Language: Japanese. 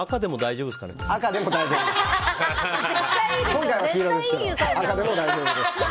今回は黄色ですけど赤でも大丈夫です。